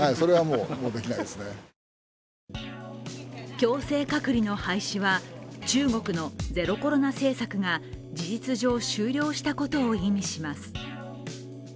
強制隔離の廃止は、中国のゼロコロナ政策が事実上、終了したことを意味します